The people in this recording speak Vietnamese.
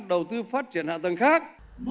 đầu tư phát triển hạ tầng khác